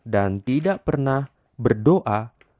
dan tidak pernah berdoa